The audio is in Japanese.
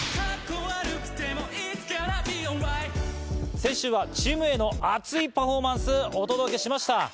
先週はチームＡの熱いパフォーマンスをお届けしました。